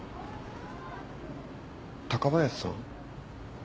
高林さん？